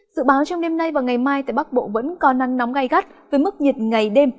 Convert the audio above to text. dự báo trong đêm nay và ngày mai tại bắc bộ vẫn có nắng nóng gai gắt với mức nhiệt ngày đêm